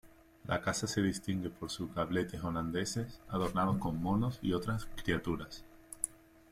La casa se distingue por sus gabletes holandeses adornados con monos y otras criaturas.